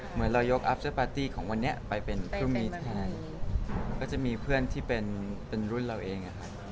เหมือนเรายกวันนี้ไปเป็นพื้นที่เป็นรุ่นเราเอง